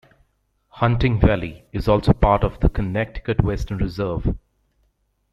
Hunting Valley is also part of the Connecticut Western Reserve.